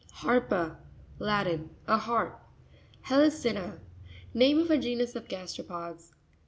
Har'pa.—Latin. A harp. Hetici''na.— Name of a genus of gas teropods.